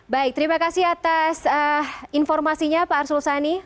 baik terima kasih atas informasinya pak arsul sani